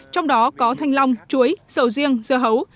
trong đó có thanh long chuối sầu riêng dưa hấu